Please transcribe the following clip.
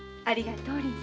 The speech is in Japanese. ありがとう。